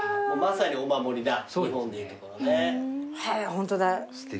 ホントだ。